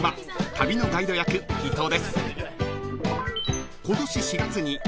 旅のガイド役伊藤です］